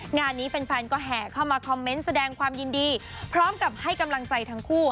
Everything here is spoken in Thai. งานนี้แฟนก็แห่เข้ามาคอมเมนต์แสดงความยินดีพร้อมกับให้กำลังใจทั้งคู่